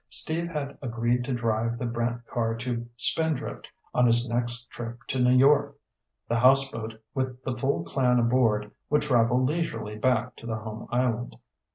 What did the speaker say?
Steve had agreed to drive the Brant car to Spindrift on his next trip to New York. The houseboat, with the full clan aboard, would travel leisurely back to the home island.